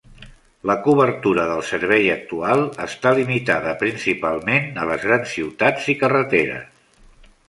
La cobertura del servei actual està limitada principalment a les grans ciutats i carreteres.